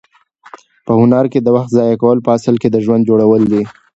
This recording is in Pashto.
په هنر کې د وخت ضایع کول په اصل کې د ژوند جوړول دي.